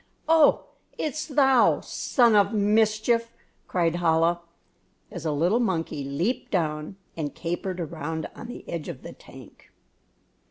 "Oh, it's thou, son of mischief!" cried Chola, as a little monkey leaped down and capered around on the edge of the tank.